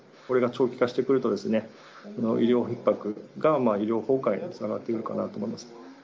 これが長期化してくると、医療ひっ迫が医療崩壊につながっているかなと思います。